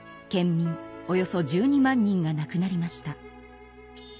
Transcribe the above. およそ１２万人が亡くなりました。